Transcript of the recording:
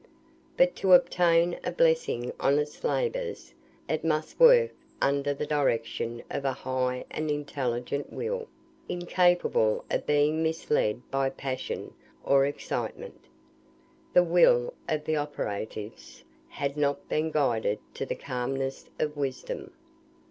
But to obtain a blessing on its labours, it must work under the direction of a high and intelligent will; incapable of being misled by passion, or excitement. The will of the operatives had not been guided to the calmness of wisdom.